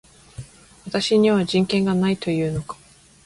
私には人権がないと言うのか